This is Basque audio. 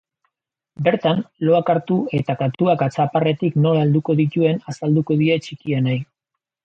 Bertan, loak hartu eta katuak atzaparretik nola helduko dituen azalduko die txikienei.